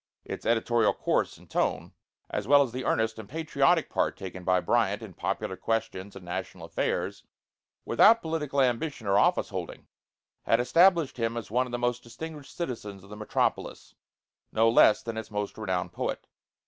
Its editorial course and tone, as well as the earnest and patriotic part taken by Bryant in popular questions and national affairs, without political ambition or office holding, had established him as one of the most distinguished citizens of the metropolis, no less than its most renowned poet.